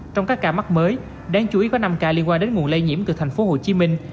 trong các ca mắc mới đáng chú ý có năm ca liên quan đến nguồn lây nhiễm từ thành phố hồ chí minh